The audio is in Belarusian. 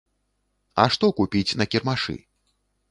А што купіць на кірмашы?